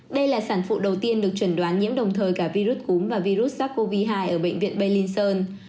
đây là sản phụ đầu tiên được chuẩn đoán nhiễm đồng thời cả virus cúm và virus sars cov hai ở bệnh viện belling sơn